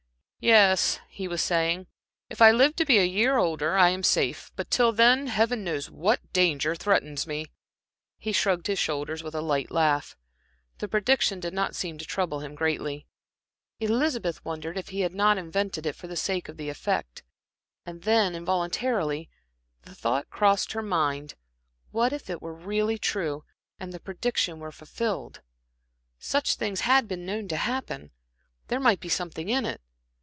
"Yes," he was saying, "if I live to be a year older, I am safe; but till then Heaven knows what danger threatens me!" He shrugged his shoulders with a light laugh. The prediction did not seem to trouble him greatly. Elizabeth wondered if he had not invented it, for the sake of the effect. And then, involuntarily, the thought crossed her mind what if it were really true, and the prediction were fulfilled? Such things had been known to happen there might be something in it....